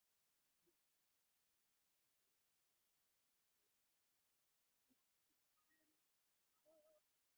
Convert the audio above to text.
তিনি হিন্দুস্থানী সঙ্গীতের লিপিবদ্ধকরণের জন্য নিজস্ব স্বরলিপি পদ্ধতি রচনা করেন।